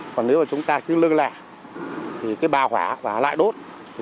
còn nếu mà chúng ta cứ lưng lẻ thì cái bà hỏa và lại đốt